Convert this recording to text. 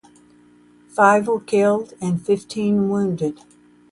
Five were killed and fifteen wounded.